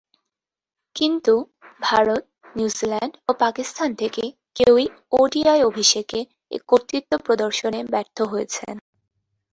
কিন্তু, ভারত, নিউজিল্যান্ড ও পাকিস্তান থেকে কেউই ওডিআই অভিষেকে এ কৃতিত্ব প্রদর্শনে ব্যর্থ হয়েছেন।